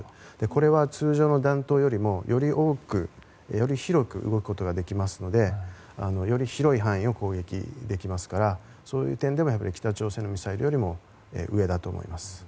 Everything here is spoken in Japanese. これは通常の弾頭よりもより多く、より広く動くことができますのでより広い範囲を攻撃できますからそういう点でも北朝鮮ミサイルよりも上だと思います。